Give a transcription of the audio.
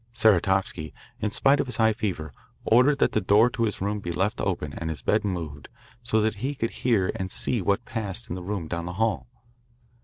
Saratovsky, in spite of his high fever, ordered that the door to his room be left open and his bed moved so that he could hear and see what passed in the room down the hall.